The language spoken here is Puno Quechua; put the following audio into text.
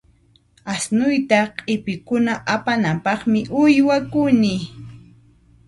Asnuyta q'ipikuna apananpaqmi uywakuni.